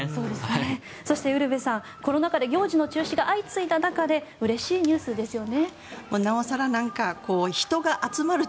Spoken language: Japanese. そしてウルヴェさんコロナ禍で行事の中止が相次いだ中でうれしいニュースですよね。